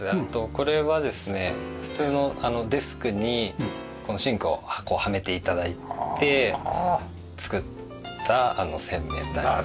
これはですね普通のデスクにこのシンクをはめて頂いて作った洗面台です。